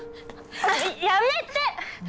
やめて！